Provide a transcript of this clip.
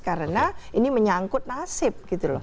karena ini menyangkut nasib